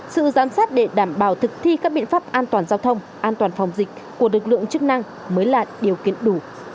sự giám sát để đảm bảo thực thi các biện pháp an toàn giao thông an toàn phòng dịch của lực lượng chức năng mới là điều kiện đủ